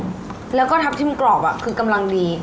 ใช่แล้วก็ทับทิมกรอกอ่ะคือกำลังดี